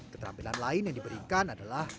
keterampilan lain yang diberikan adalah